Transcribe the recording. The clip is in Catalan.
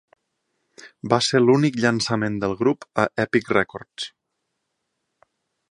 Va ser l'únic llançament del grup a Epic Records.